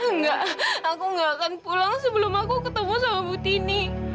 enggak aku nggak akan pulang sebelum aku ketemu sama bu tini